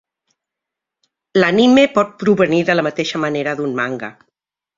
L'anime pot provenir de la mateixa manera d'un manga.